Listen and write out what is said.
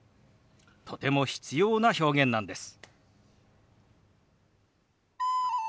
とても必要な表現なんです。